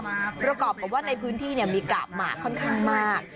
ประกอบกับว่าในพื้นที่มีกาบหมากค่อนข้างมาก